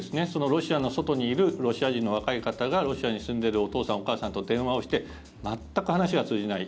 ロシアの外にいるロシア人の若い方がロシアに住んでるお父さん、お母さんと電話をして全く話が通じない。